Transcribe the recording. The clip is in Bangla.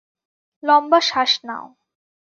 লম্বা শ্বাস নাও।